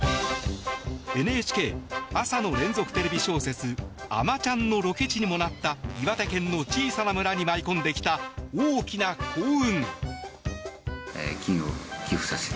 ＮＨＫ朝の連続テレビ小説「あまちゃん」のロケ地にもなった岩手県の小さな村に舞い込んできた大きな幸運。